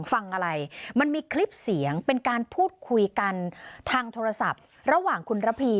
ฟังอะไรมันมีคลิปเสียงเป็นการพูดคุยกันทางโทรศัพท์ระหว่างคุณระพี